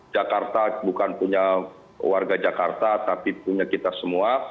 jakarta bukan punya warga jakarta tapi punya kita semua